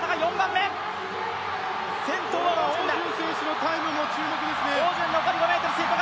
汪順選手のタイムも注目ですね。